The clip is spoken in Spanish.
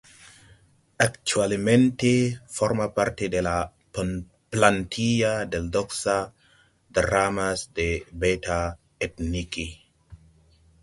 Actualmente forma parte de la plantilla del Doxa Dramas de la Beta Ethniki.